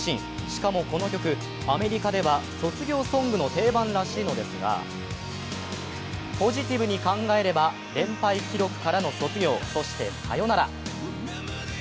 しかもこの曲、アメリカでは卒業ソングの定番らしいのですが、ポジティブに考えれば連敗記録からの卒業そしてさよなら。